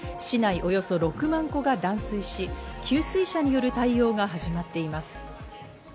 およそ６万戸が断水し、給水車による対応が始まっています。